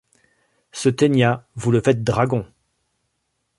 Ce ténia, vous le faites dragon.